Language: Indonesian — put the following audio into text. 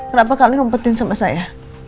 kenapa kalian ngumpetin sama saya